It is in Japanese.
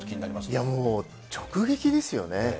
いやもう、直撃ですよね。